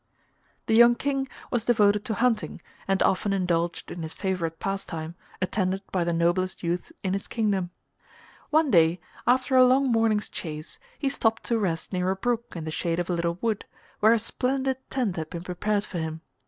The young King was devoted to hunting, and often indulged in his favourite pastime, attended by the noblest youths in his kingdom. One day, after a long morning's chase he stopped to rest near a brook in the shade of a little wood, where a splendid tent had been prepared for him.